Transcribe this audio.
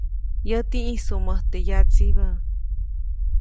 Yäti ʼĩjsuʼmät teʼ yatsibä.